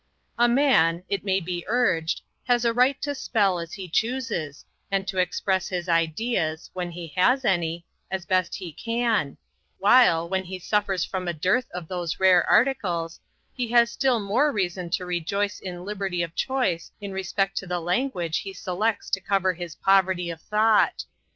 A man, it may be urged, has a right to spell as he chooses, and to express his ideas, when he has any, as best he can; while, when he suffers from a dearth of those rare articles, he has still more reason to rejoice in liberty of choice in respect to the language he selects to cover his poverty of thought.